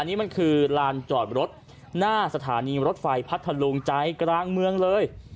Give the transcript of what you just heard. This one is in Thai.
นี่มันคือลานจอดรถหน้าสถานีรถไฟพัทธลุงใจกลางเมืองเลย